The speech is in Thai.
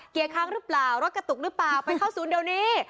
เกียร์ค้างหรือเปล่ารถกระตุกหรือเปล่าไปเข้าศูนย์เดี๋ยวนี้